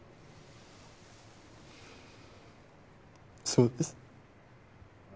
そうです。